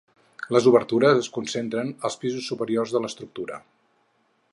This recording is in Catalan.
Les obertures es concentren als pisos superiors de l'estructura.